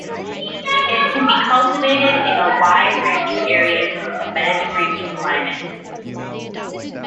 It can be cultivated in a wide range of areas with a Mediterranean climate.